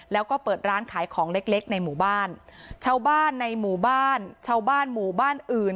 แล้วก็เปิดร้านขายของเล็กเล็กในหมู่บ้านชาวบ้านในหมู่บ้านชาวบ้านหมู่บ้านอื่น